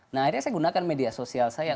nah akhirnya saya gunakan media sosial saya